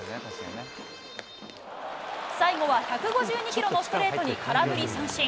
最後は１５２キロのストレートに空振り三振。